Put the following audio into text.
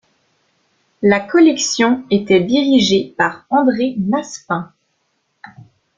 La collection était dirigée par André Massepain.